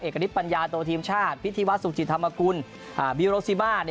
เอกณิตปัญญาโตทีมชาติพิธีวัสสุจิธรรมกุลบิโรซิบ้า